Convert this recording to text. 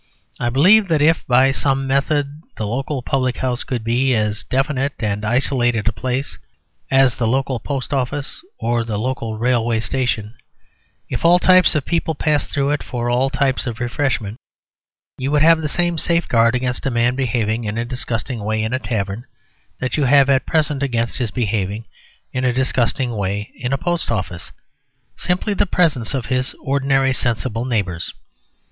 I believe that if by some method the local public house could be as definite and isolated a place as the local post office or the local railway station, if all types of people passed through it for all types of refreshment, you would have the same safeguard against a man behaving in a disgusting way in a tavern that you have at present against his behaving in a disgusting way in a post office: simply the presence of his ordinary sensible neighbours.